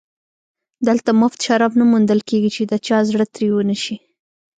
دلته مفت شراب نه موندل کېږي چې د چا زړه ترې ونشي